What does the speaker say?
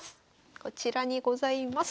こちらにございます。